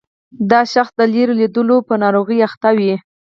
دا شخص د لیرې لیدلو په ناروغۍ اخته وي.